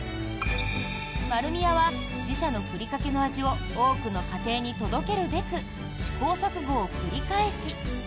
丸美屋は自社のふりかけの味を多くの家庭に届けるべく試行錯誤を繰り返し。